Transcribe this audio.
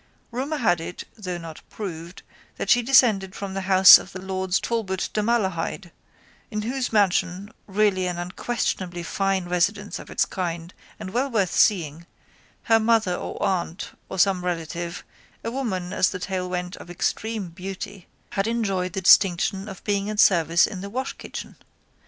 Rumour had it (though not proved) that she descended from the house of the lords Talbot de Malahide in whose mansion, really an unquestionably fine residence of its kind and well worth seeing, her mother or aunt or some relative, a woman, as the tale went, of extreme beauty, had enjoyed the distinction of being in service in the washkitchen.